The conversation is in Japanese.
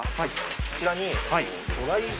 こちらに。